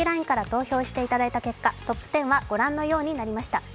ＬＩＮＥから投票していただいた結果、トップ１０は御覧のようになりました。